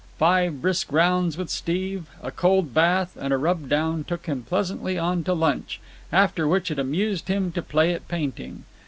Five brisk rounds with Steve, a cold bath, and a rub down took him pleasantly on to lunch, after which it amused him to play at painting.